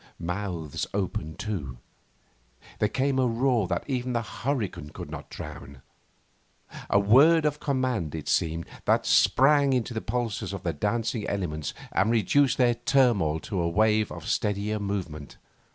Mouths opened too. There came a roar that even the hurricane could not drown a word of command, it seemed, that sprang into the pulses of the dancing elements and reduced their turmoil to a wave of steadier movement.